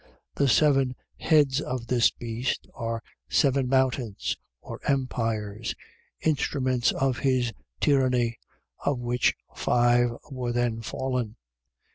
The seven heads of this beast are seven mountains or empires, instruments of his tyranny; of which five were then fallen.